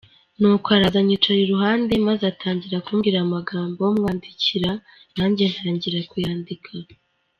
Nuko araza anyicara iruhande maze atangira kubwira amagambo mwandikira nanjye ntangira kuyandika.